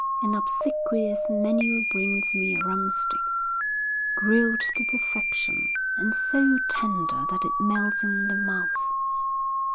An obsequious menial brings me a rumpsteak, grilled to perfection, and so tender that it melts in the mouth.